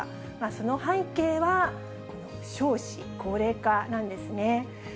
その背景は、この少子高齢化なんですね。